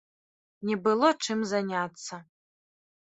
Не было чым заняцца!